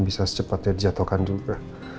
bisa secepatnya dijatuhkan juga